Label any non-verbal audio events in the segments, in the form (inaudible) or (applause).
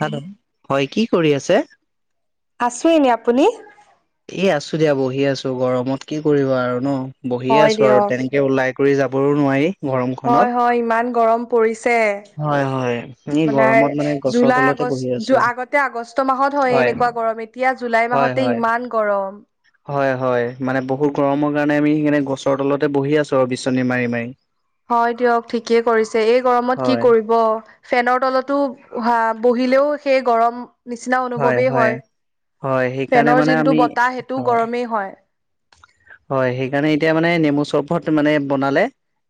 Hello হয় কি কৰি আছে। আছো এনে আপুনি? এ আছো দিয়া বহি আছো গৰমত কি কৰিব আৰু ন। বহিয়ে হয় আছো আৰু দিয়ক তেনেকে ওলাই কৰি যাবও নোৱাৰি। গৰমখনত হয় হয় ইমান গৰম পৰিছে হয় হয় এই মানে গৰমত গছৰ জুলাই আগ তলতে বহি আগষ্ট আছো আগতে আগষ্ট মাহত হয় এনেকুৱা গৰম এতিয়া জুলাই হয় মাহতে হয় ইমান গৰম হয়, হয় মানে বহুত গৰমৰ কাৰণে আমি সেইকাৰণে গছৰ তলতে বহি আছো আৰু বিচনী মাৰি মাৰি। হয় দিয়ক ঠিকেই কৰিছে এই গৰমত কি হয় কৰিব ফেনৰ তলতো উ বহিলেও সেই গৰম নিচিনা অনুভৱেই হয় হয় সেইকাৰণে ফেনৰ মানে আমি যোনটো বতাহ সেইটোও হয় গৰমেই হয়। হয় সেইকাৰণে এতিয়া মানে নেমু চৰপত মানে বনালে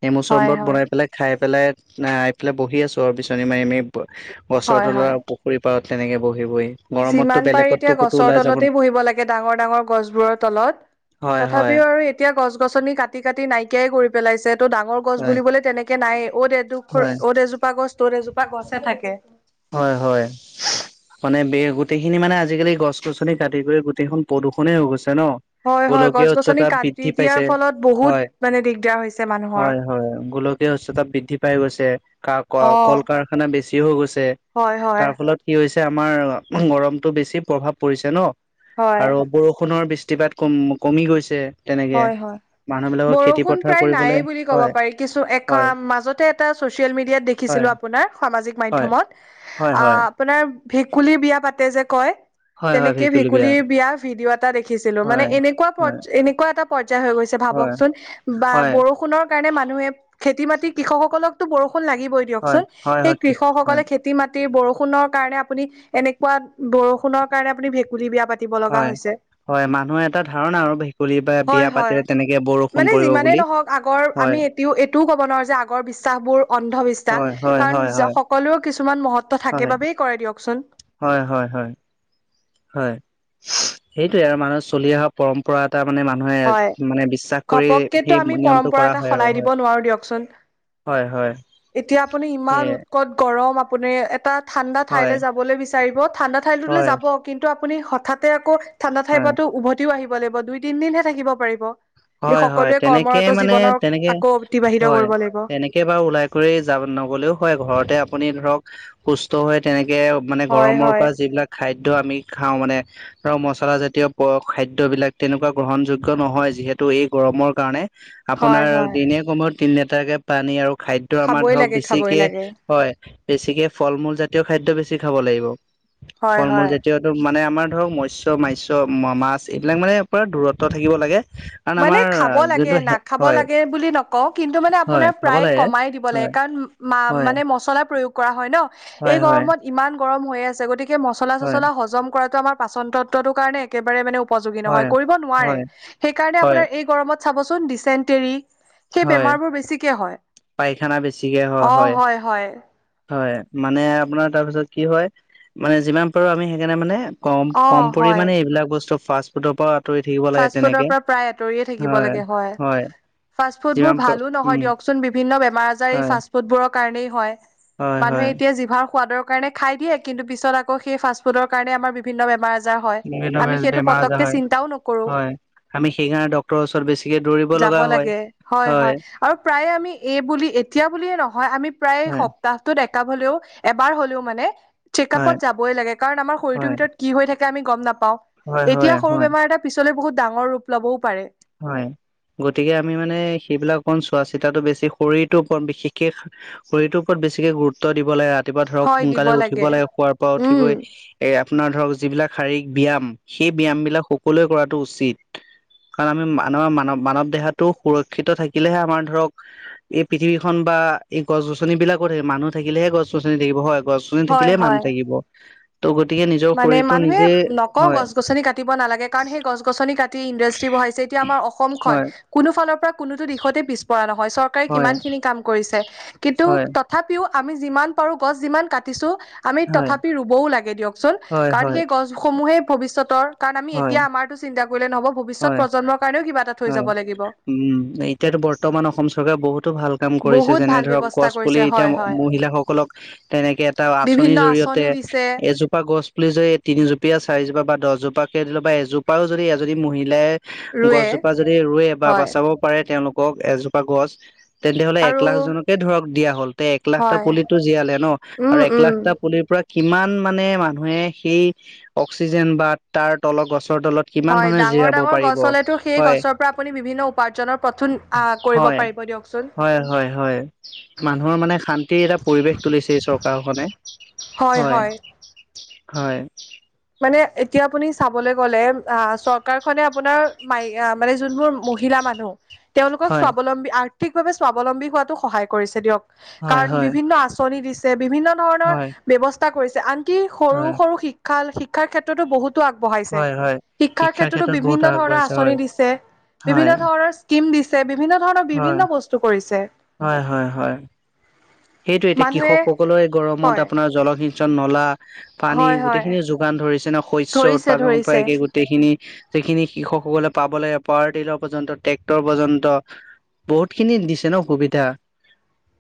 নেমু হয় চৰবৰত হয় বনাই পেলাই খাই পেলাই আহ আহই পেলাই বহি আছো আৰু বিচনী মাৰি আমি গছৰ হয় হয় তলৰ পুখুৰী পাৰত তেনেকে বহি বহি গৰমততো যিমান পাৰি বেলেগতো এতিয়া ক'তো গছৰ ওলাই যাব তলতেই বহিব লাগে ডাঙৰ ডাঙৰ গছবোৰৰ তলত। হয় হয় তথাপিও আৰু এতিয়া গছ- গছনি কাটি-কাটি নাইকিয়াই কৰি পেলাইছে। তটো ডাঙৰ গছ হয় বুলিবলে তেনেকে নাই 'ত এডোখৰ হয় 'ত এজোপা গছ ত'ত এজোপা গছে থাকে। হয়, হয়। মানে ব গোটেইখিনি মানে আজিকালি গছ গছনি কাটি কৰি গোটেইখন প্ৰদূষণে হৈ গৈছে ন। হয় হয় গছ গোলকীয় গছনি উচ্চতা কাটি বৃদ্ধি দিয়াৰ পাইছে ফলত বহুত হয়, মানে দিগদাৰ হৈছে মানুহৰ। হয় গোলকীয় (unintelligible) সতা বৃদ্ধি পাই গৈছে ক ক অ' কল কাৰখানা বেছি (unintelligible) হৈ গৈছে হয় হয় তাৰ ফলত কি হৈছে আমাৰ গৰমতটো বেছি প্ৰভাৱ পৰিছে ন। হয় আৰু বৰষুণৰ বৃষ্টিপাত কম কমি গৈছে। তেনেকে হয়, হয়। মানুহ বিলাকৰ খেতি বৰষুণ পথাৰ প্ৰায় কৰিবলৈ নায়ে বুলি ক'ব হয় পাৰি কিছু হয় এখন মাজতে এটা চচিয়েল মিডিয়াত হয় দেখিছিলো আপোনাৰ সামাজিক হয় মাধ্যমত হয় হয় আপোনাৰ ভেকুলীৰ বিয়া পাতে যে কয় হয় হয় তেনেকে ভেকুলী ভেকুলীৰ বিয়া ভিডিঅ' এটা দেখিছিলো মানে হয় এনেকুৱা হয় এনেকুৱা এটা পৰ্য হৈ গৈ হয় ভাবকচোন বা হয় বৰষুণৰ কাৰণে মানুহে খেতি মাটতি কৃষকসকলকো বৰষুণ ষুণ লাগিবৱে হয় দিয়কচোন হয় সেই হয় কি কৃষক হয় সকলে খেতিমাটি বৰষুণৰ কাৰণে আপুনি এনেকুৱা বৰষুণৰ কাৰণে আপুনি ভেকুলী বিয়া পাতি হয়, হয় মানুহ এটা ধাৰণা আৰু ভেকুলীৰ বা হয়, বিয়া হয় পাতিলে তেনেকে বৰষুণ মানে পৰিব যিমানেই বুলি নহওক আগৰ হয় আমি এতিও এইটোও ক ব যে আগৰ বিশ্বাস বোৰ হয় অন্ধবিশ্বাস হয় কাৰণ হয় হয় সকলো কিছু কিছুমান মহত্ব থাকে হয় বাবেই কৰে দিয়কচোন। হয় হয় হয় হয় এইটোৱে আৰু মানুহে চলি অহা পৰম্পৰা তাৰ মানে হয় মানুহে মানে বিশ্বাস কৰি ঘপককেতো সেই আমি নিয়মটো পৰম্পৰা কৰা এটা হয় আৰু সলাই দিব হয় নোৱাৰো দিয়কচোন। হয় হয় এতিয়া আপুনি ইমান সেয়ে উৎকট গৰম আ আপুনি এটা ঠাণ্ডা হয় ঠাইলৈ যাবলৈ বিচাৰিব ঠাণ্ডা ঠাইটোলৈ হয় যাব কিন্তু আপুনি হঠাৎতে আকৌ ঠাণ্ডা ঠাই হয় পৰাটো উভতিও আহিব লাগিব দুই তিন দিন হে থাকিব পাৰিব। হয় হয় সকলোৱে তেনেকে কৰ্মৰত মানে জীৱনৰ তেনেকে আকৌ অতিবাহিত হয়, কৰিব লাগিব তেনেকে বাৰু ওলাই কৰি যাম নগ'লেও হয় ঘৰতে আপুনি ধৰক সুস্থ হৈ তেনেকে মানে হয় গৰমৰ হয়। পৰা যিবিলাক খাদ্য আমি খাওঁ মানে ধৰক মচলা জাতীয় খাদ্য বিলাক তেনেকুৱা গ্ৰহণযোগ্য নহয় যিহেতু ত' এই গৰমৰ কাৰণে হয় আপোনাৰ হয় দিনে কমত তিন লিটাৰকে পানী আৰু খাদ্য আমাৰ খাবই ধৰক লাগে খাবই বেছিকে লাগে হয়। বেছিকে ফল মূল জাতীয় খাদ্য বেছি খাব লাগিব। হয় ফল মূল হয়। জাতীয়টো মানে আমাৰ ধৰক মস্য মাস্য মা- মাছ এইবিলাক মানে পুৰা দূৰত্ব থাকিব লাগে। কাৰণ মানে আমাৰ খাব লাগে যোনটো নাখাব হয় লাগে বুলি নকওঁ কিন্তু মানে হয় আপোনাৰ খাব প্ৰায় লাগে কমাই দিব লাগে হয় কাৰণ ম- হয়, মা-মানে মচলাৰ প্ৰয়োগ কৰা হয় ন' হয়, এই হয়, গৰমত ইমান গৰম হৈ আছে গতিকে মছলা হয়, চচলা হজম কৰাটো আমাৰ পাচন তত্বটোৰ কাৰণে একেবাৰে মানে উপযোগী নহয় হয়, কৰিব নোৱাৰে হয়, সেইকাৰণে হয়, আপোনাৰ এই গৰমত চাবচোন ডিচেণ্টেৰী সেই হয়। বেমাৰবোৰ বেছিকে হয়, অ' হয় হয়। হয় মানে আপোনাৰ তাৰপিছত কি হয়, মানে যিমান পাৰোঁ আমি সেইকাৰণে মানে কম অ কম হয় পৰিমাণে এইবিলাক বস্তু ফাষ্ট ফুডৰ পৰা আঁতৰি থাকিব লাগে ফাষ্ট ফুডৰ তেনেকে পৰা প্ৰায় আঁতৰিয়ে থাকিব লাগে হয়। ফাষ্টফুডবোৰ যিমান পাৰো ভালো নহয় উম, দিয়কচোন বিভিন্ন বেমাৰ আজাৰ এই হয়, ফাষ্ট ফুডবোৰক কাৰণেই হয়, হয়, হয়, মানুহে এতিয়া জিভাৰ সোৱাদৰ কাৰণে খায় দিয়ে কিন্তু পিছত আকৌ সেই ফাষ্টফুডৰ কাৰণে আমাৰ বিভিন্ন বেমাৰ আ আজাৰ বিভিন্ন হয় আমি সেইটো বেমাৰ আজাৰ পতকে হয়, চিন্তাও ন হয়। আমি সেইকাৰণে ডক্তৰৰ ওচৰত বেছিকে দৌৰিব (unintelligible) যাব লগা হয়, লাগে হয় হয় আৰু প্ৰায় আমি এই বুলি এতিয়া বুলিয়ে নহয় আমি প্ৰায় হয়, সপ্তাহটোত ডেকা হ'লেওঁ এবাৰ হ'লেওঁ মানে হয়, চেকআপত যাবই লাগে কাৰণ আমাৰ শৰীৰৰ হয়, ভিতৰত কি হৈ থাকে আমি গ'ম নাপাওঁ, হয়, হয়, এতিয়া সৰু হয়। বেমাৰ এটা পিছলৈ বহুত ডাঙৰ ৰূপ ল'বওঁ পাৰে। হয়। গতিকে আমি মানে সেইবিলাক অকণ চোৱা চিতাতো বেছি শৰীৰটোৰ ওপৰত বিশেষকে শৰীৰটোৰ ওপৰত বেছিকে গুৰুত্ব দিব লাগে ৰাতিপুৱা ধৰক হয় দিব সোনকালে উঠিব লাগে শোৱাৰ পৰা উম উঠিবই এ আপোনাৰ ধৰক যিবিলাক শাৰীৰিক ব্যায়াম, সেই ব্যয়াম বিলাক সকলোৱে কৰাটো উচিত। কাৰণ আমি মান-মানৱ মানৱ দেহাটো সুৰক্ষিত থাকিলেহে আমাৰ ধৰক এই পৃথিৱীখন বা এই গছ গছনিবিলাকো থাকিব মানুহ থাকিলেহে গছ গছনি থাকিব হয় গছ গছনি হয় থাকিলহে মানুহ হয়। থাকিব। ত' গতিকে নিজৰ মানে শৰীৰটো মানুহে নিজে নকওঁ হয় গছ গছনি কাটিব নালাগে কাৰণ সেই গছ গছনি কাটি ইণ্ডাষ্ট্ৰি বহাইছে। এতিয়া আমাৰ অসমখন হয় কোনো ফালৰ পৰা কোনোতো দিশতে পিছপৰা নহয় চৰকাৰে হয় কিমান খিনি কাম কৰিছে। কিন্তু হয় তথাপিও আমি যিমান পাৰোঁ গছ যিমান কাটিছোঁ আমি হয় তথাপি ৰুবও লাগে দিয়ক। চোন হয় কাৰণ হয় সেই গছসমূহে ভৱিষ্যতৰ কাৰণ আমি হয় এতিয়া আমাৰটো চিন্তা কৰিলে নহ'ব ভৱিষ্যত হয় প্ৰজন্মৰ কাৰণেও কিবা এটা থৈ হয়। যাব লাগিব উম, এতিয়াতো বৰ্তমান অসম চৰকাৰে বহুতো ভাল কাম কৰিছে বহুত যেনে ভাল ধৰক ব্যৱস্থা গছ পুলি কৰিছে এতিয়া হয় হয় ম-মহিলাসকলক তেনেকে এটা আঁচনিৰ বিভিন্ন জৰিয়তে আঁচনি দিছে এজোপা গ গছ পুলি যদি তিনিজোপীয়া, চাৰিজোপা বা দহজোপাকে দিলে বা এজোপাও যদি এজনী মহিলাই ৰুৱে। জোপা যদি ৰুৱে বা হয় বাচাব পাৰে তেওঁলোকক এজোপা গছ। তেন্তে হ'লে আৰু একলাখ জনকে ধৰক দিয়া হ'ল তে এক লাখটা হয় পুলিতো জীয়ালে ন' আৰু উম এক উম লাখটা পুলিৰ পৰা কিমান মানে মানুহে সেই অক্সিজেন বা তাৰ তলৰ গছ গছৰ তলত কিমান হয় মানুহে ডাঙৰ জিৰাব ডাঙৰ পাৰিব। গছ হলেতো সেই হয়। গছৰ পৰা আপুনি বিভিন্ন উপাৰ্জনৰ পথোন আহ কৰিব হয়, পাৰিব দিয়কচোন হয় হয় হয়। মানুহৰ মানে শান্তিৰ এটা পৰিৱেশ তুলিছে এই চৰকাৰখনে। হয় হয়। হয়। মানে এতিয়া আপুনি চাবলৈ গ'লে অ' চৰকাৰখনে আপোনাৰ মাই মানে জোনবোৰ মহিলা মানুহ, তেওঁলোকক হয় স্বাৱলম্বী আৰ্থিকভাৱে স্বাৱলম্বী হোৱাটো সহায় কৰিছে দিয়ক। হয় কাৰণ হয় বিভিন্ন আঁচনি দিছে, বিভিন্ন ধৰণৰ হয় ব্যৱস্থা কৰিছে আন কি সৰু হয় সৰু শিক্ষাল শিক্ষাৰ ক্ষেত্ৰতো বহুতো আগবঢ়াইছে। হয় হয় শিক্ষাৰ ক্ষেত্ৰতো ক্ষেত্ৰত বহুত বিভিন্ন ধৰণৰ আগবাঢ়িছে আঁচনি হয় দিছে, বিভিন্ন হয় ধৰণৰ স্কীম দি হয়, হয় হয় হয়। সেইটো এতিয়া মানুহে কৃষক সকলোৰে গৰমত হয় আপোনাৰ জলসিঞ্চন, নলা পানী হয় হয় গোটেইখিনি যোগান ধৰিছে ন শস্য ধৰিছে উৎপাদনৰ পৰা ধৰিছে একে গোটেইখিনি সেইখিনি কৃষকসকলে পাব লাগে পাৱাৰ টিলাৰ পৰ্যন্ত, ট্ৰেক্টৰ পৰ্যন্ত বহুত খিনি দিছে ন সুবিধা।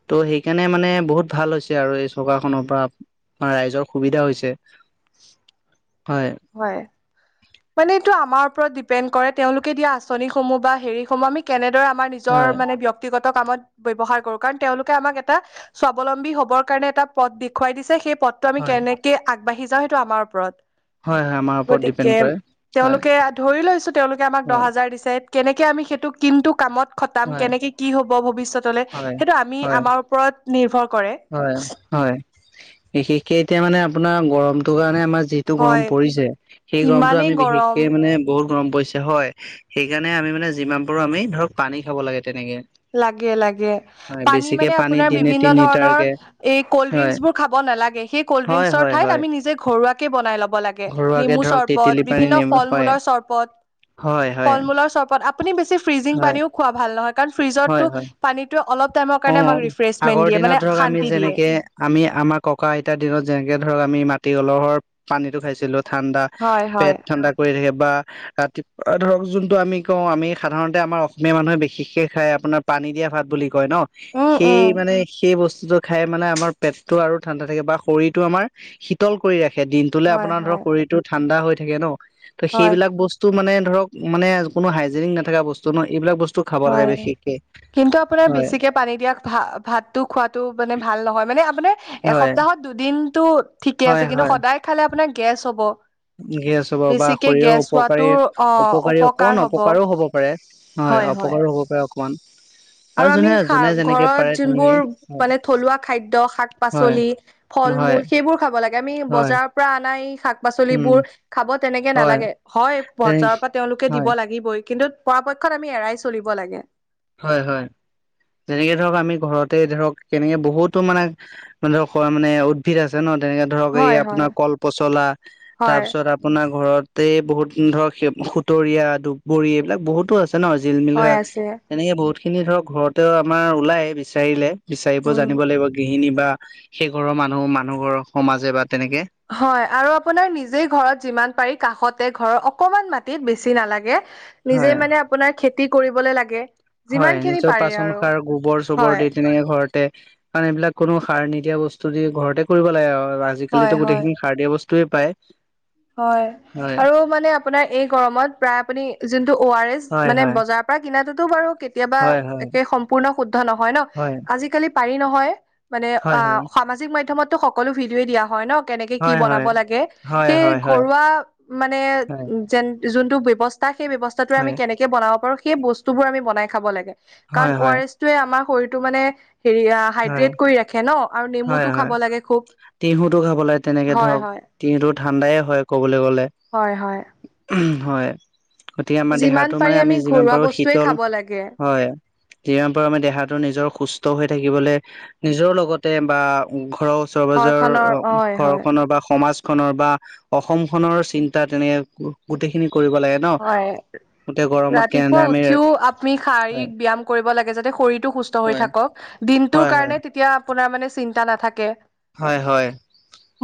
তো সেই কাৰণে মানে বহুত ভাল হৈছে আৰু এই চৰকাৰখনৰ পৰা ৰাইজৰ সুবিধা হৈছে (inaudible) হয়। মানে এইটো আমাৰ ওপৰত ডিপেণ্ড কৰে। তেওঁলোকে দিয়া আঁচনিসমূহ বা হেৰিসমূহ আমি কেনেদৰে আমাৰ হয়, নিজৰ মানে ব্যক্তিগত কামত ব্যৱহাৰ কৰোঁ, কাৰণ তেওঁলোকে আমাক এটা স্বাৱলম্বী হ'বৰ কাৰণে এটা পদ দেখুৱাই দিছে। সেই পথটো আমি হয়, হয়, কেনেকে আগবাঢ়ি যাওঁ সেইটো আমাৰ ওপৰত হয় আমাৰ ওপৰত ডিপেণ্ড গতিকে, কৰে। হয়, তেওঁলোকে ধৰি লৈছোঁ তেওঁলোকে আমাক দহ হয়, হাজাৰ দিছে কেনেকে আমি সেইটো কিন্তু কামত খটাম, হয়, কেনেকে, কি হ'ব ভৱিষ্যত লে, হয়। সেইটো আমি হয়, আমাৰ ওপৰত নিৰ্ভৰ কৰে হয়, হয়। বিশেষকে এতিয়া মানে আপোনাৰ গৰমটোৰ কাৰণে আমাক যিটো গৰম হয় পৰিছে, সেই গৰমটো ইমানেই আমি বিশেষকে গৰম মানে বহুত গৰম পৰিছে হয়। সেইকাৰণে আমি মানে যিমান পাৰোঁ আমি ধৰক পানী খাব লাগে। তেনেকে লাগে, লাগে। হয় পানী বেছিকে মানে আপোনাৰ দিনে বিভিন্ন তিনি ধৰণৰ লিটাৰকে এই ক'ল্ড হয়, ড্ৰিংকছ বোৰ খাব নালাগে। সেই ক'ল্ড হয়, ড্ৰিংকছৰ হয়, ঠাইত হয় আমি নিজে ঘৰুৱাকে বনাই ল'ব লাগে। ঘৰুৱাকে নেমু ধৰক চৰ্বত, তেতেলী পানী বিভিন্ন নেমু হয়, ফল-মূলৰ চৰ্বত। হয়, হয়, ফল-মূলৰ চৰ্বত আ আপুনি বেছি ফ্ৰিজিং হয়। পানীও খোৱা ভাল নহয়, কাৰণ হয় ফ্ৰিজৰটো হয় পানীটো অলপ টাইমৰ অ কাৰণে আমাক ৰিফ্ৰেছমেন্ট আগৰ দিয়ে দিনত মানে ধৰক আমি শান্তি দিয়ে যেনেকে আমি আমাৰ ককা, আইতাৰ দিনত যেনেকে ধৰক আমি মাট টি কলহৰ পানীটো খাইছিলোঁ ঠাণ্ডা, হয় পেট হয় ঠাণ্ডা কৰি থাকে। বা ৰাতিপুৱা ধৰক যোনটো আমি কওঁ আমি সাধাৰণতে আমাৰ অসমীয়া মানুহে বিশেষকে খায় আপোনাৰ পা ভ খাই উম উম মানে আমাৰ পেটতটো আৰু ঠাণ্ডা থাকে বা শৰীৰতটো আমাৰ শীতল কৰি ৰাখে সেই দিনটোলে হয় আপোনাৰ ধৰ হয় শৰীৰতটো ঠাণ্ডা হৈ থাকে ন ত হয় সেইবিলাক বস্তু মানে ধৰক মানে কো হাইজেনিক নাথকা বস্তু ন এইবিলাক বস্তু খাব লাগে হয় বিশেষকে কিন্তু আপোনাৰ হয় বেছিকে পানী দিয়া ভা ভাততো খোৱাো মানে ভাল নহয় মানে আপাৰ হয় এসপ্তাহত দুদিনটো ঠিকে আছে কিন্তু সদায় খালে আপোনাৰ গেছ হ'ব কি আছো বাৰু বা বেছিকে শৰীৰৰ গেছ উপকাৰী হোৱাটোৰ অ উপকাৰী উপকাৰ অকন অপকাৰো হ'ব পাৰে হয় উপকাৰো হ'ব পাৰে অকমান আৰু যোনে আমিা যোনে যেনেকে ঘৰত পাৰে তেনেকে যোনবোৰ মানে থলুৱা খাদ্য শাক হয় পাচলি ফল মূল হয় ফল সেইবোৰ খাব লাগে আমি হয় বজাৰৰ পৰা আনাই শাক উম পাচলিবোৰ খাব তেনেকে হয় নালাগে হয় যেনে বজাৰৰ পৰা তেওঁলোকে হয় দিব লাগিবই কিন্তু পৰাপক্ষত আমি এৰাই চলিব লাগে হয় হয় যেনেকে ধৰক আমি ঘৰতে ধৰক কেনেকে বহুতো মানেে ধৰক মানে উদ্ভিদ আছে ন তেনেকে ধৰক এই হয় হয় আপোনাৰ কল পচলা তাৰ হয় পিছত আপোনাৰ ঘৰত তাতে বহুত ধৰক সুতৰীয়া ধুবৰি এইবিলাক বহুতো আছে ন জিলমিল হয় শাক আছে বহুত খিনি ধৰক ঘৰতেও আমাৰ ওলাই বিচাৰিলে বিচাৰিব উম। জানিব লাগিব গৃহিণী বা সেই ঘৰৰ মানুহ মানুহ ঘৰৰ সমাজে বা তেনেকে হয় আৰু আপোনাৰ নিজেই ঘৰত যিমান পাৰি কাষত তাতে ঘৰৰ অকমান মাটিত বেছি নালাগে নিজে হয় মানে আপোনাৰ খেতি কৰিবলে লাগে যিমান হয় খিনি নিজৰ পাৰে পাচন আৰু সাৰ গোবৰ চোবৰ হয় দি তেনেক ঘৰতে কাৰণ এইবিলাক কোনো সাৰ নিদিয়া বস্তু দি ঘৰতে কৰিব লাগে আৰু হয় আজিকালিতো হয় গোটেইখিনি সাৰ দিয়া বস্তু তোৱে পাই হয় আৰু মানে আপোনাৰ এই গৰমত প্ৰায় আপুনি যোনটো অ আৰ এচ হয় মানে হয় বজাৰৰ পৰা কিনা বাৰু কেতিয়াবা হয় হয় একে সম্পূৰ্ণ শুদ্ধ নহয় ন হয় আজিকালি পাৰি নহয় মানে অ হয় হয় সামাজিক মাধ্য়মতটো সকলো ভিডিঅই দিয়া হয় ন কেনেকে কি হয় বনাব হয় লাগে হয় সেই হয় হয় ঘৰুৱা মানে হয় যেন যোনটো ব্য্ৱস্থা সেই ব্যৱস্থাত আমি হয় কেনেকে বনাব পাৰো, সেই বস্তু বোৰ আমি বনাই খাব লাগে হয় কাৰণ অ, হয় আৰ এছ য়ে আমাৰ শৰীৰটো মানে হেৰি, হয় হাইড্ৰেট কৰি ৰাখে ন, আৰু হয় নেমুতটো হয় খাব লাগে খুব। তিহুতো খাব লাগে, তেনেকে হয় ধৰক হয় তিহুতত ঠাণ্ডাই হয়, ক'বলৈ গ'লে হয় হয় হয়। গতিকে আমাৰ যিমান দেহাটো পাৰি মানে আমি যিমান ঘৰুৱা পাৰো বস্তুৱে শীতল খাব লাগে হয়, যিমান প, আমি দেহাটো নিজৰ সুস্থ হৈ থাকি থাকিবলে নিজৰ লগতে বা ৰৰ, ঘৰখনৰ হয় হয় ওচৰৰনৰ খনৰ বা অসম খনৰ চিন্তা তেনে গোটেইখিনি কৰিব লাগে ন হয়। গোটেই গৰমত ৰাতিপুৱা কেনেদৰে আমি উঠিও আপনি হয় শাৰীৰিক ব্যায়াম কৰিব লাগে যাতে শৰীৰতটো সুস্থ হৈ হয় থাকক। দিনটোৰ হয় কাৰণে তেতিয়া আপোনাৰ মানে চিন্তা নাথাকে। হয়, হয়।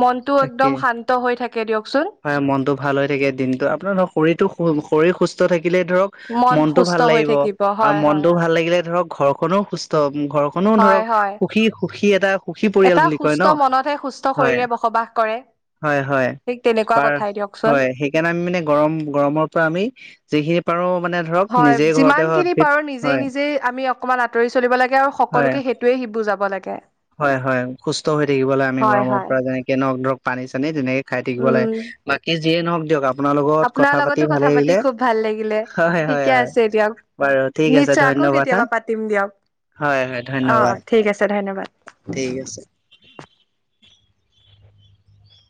মনতটো তাকে একদম শান্ত হৈ থাকে। দিয়কচোন হয়, মনতটো ভাল হৈ থাকে, দিনতটো আপোনাৰ ধ, শৰীৰতো, শৰীৰ সুস্থ থাকে। থাকিলে ধৰক মন মনতটো সুস্থ ভাল হৈ লাগিব থাকিব আৰু হয় হয় মনতটো ভাল লাগিলে ধৰক ঘৰখননো সুস্থ হ'ব। ঘৰখনো হয় ধৰক হয় সুখী, সুখী এটা সুখী পৰিয়াল এটা বুলি কয় সুস্থ ন, মনতহে সুস্থ হয়। শৰীৰে বসবাস কৰে। হয়, হয়। ঠিক তেনেকুৱা বাৰ কথাই দিয়কচোন হয় সেইকাৰণে আমি মানে গৰম, গৰমৰ পৰা আমি যিখিনি পাৰো মানে ধৰক হয় নিজে ঘৰতে যিমান হয় খিনি উদ্ভিদ পাৰো নিজে, হয় নিজে আমি অকণমান আতৰি চলিব লাগে আৰু হয় সকলোকে সেইটোৱে সি বুজাব লাগে। হয়, হয়। সুস্থ হৈ থাকিবলে আমি হয় গৰমৰ হয় পৰা যেনেকে নখ ঢক পানী, চানী তেনেকে খাই থাকিব লাগে। উম বাকী যিয়ে নহওক দিয়ক আপ আপোনাৰ লগত আপোনাৰ কথা পাতি লগতো কথা ভালে লিলে খুব ভাল লাগিলে হয়, হয়, ঠিকে হয়। আছে দিয়ক বাৰু ঠিক আছে নিশ্চয় আকৌ ধন্যবাদ হা। কেতিয়াবা পাতিম দিয়ক হয়, হয় অ ধন্যবাদ। ঠিক আছে ধন্যবাদ ঠিক আছে।